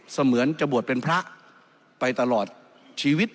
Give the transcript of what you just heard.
เหมือนจะบวชเป็นพระไปตลอดชีวิต